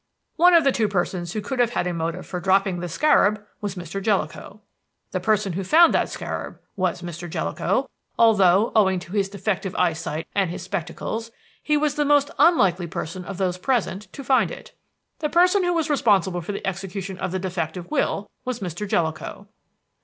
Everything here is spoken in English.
"One of the two persons who could have had a motive for dropping the scarab was Mr. Jellicoe. The person who found that scarab was Mr. Jellicoe, although, owing to his defective eyesight and his spectacles, he was the most unlikely person of those present to find it. "The person who was responsible for the execution of the defective will was Mr. Jellicoe.